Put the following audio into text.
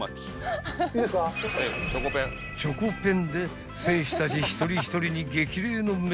［チョコペンで選手たち一人一人に激励のメッセージを］